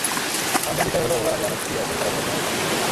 আনন্দের বিষয় হলো, এবার আমি অনেক প্রিয় পরিচালকদের সঙ্গে কাজ করতে পেরেছি।